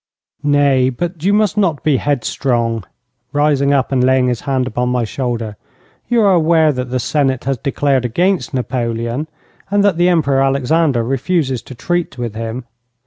'Nay, but you must not be headstrong,' rising up and laying his hand upon my shoulder. 'You are aware that the Senate has declared against Napoleon, and that the Emperor Alexander refuses to treat with him.'